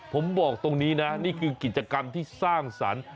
ผมบอกตรงนี้นะนี่คือกิจกรรมที่สร้างสรรค์